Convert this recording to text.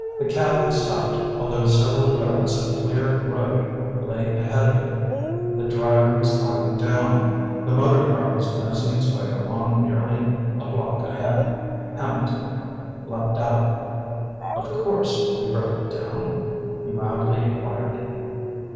The cab had stopped, although several yards of clear road lay ahead of it. The driver was climbing down. The motor car was nosing its way along nearly a block ahead. Hambleton leaped out. "Of course, we've broken down?" he mildly inquired.